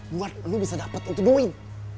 buat lo bisa dapetin tuh duit